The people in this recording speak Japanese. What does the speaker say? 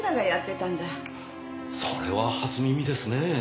それは初耳ですねぇ。